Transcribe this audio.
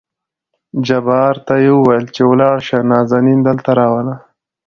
جبار ته يې ووېل چې ولاړ شه نازنين دلته راوله.